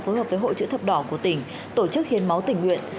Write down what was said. phối hợp với hội chữ thập đỏ của tỉnh tổ chức hiến máu tỉnh nguyện